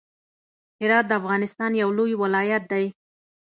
هرات د افغانستان يو لوی ولايت دی.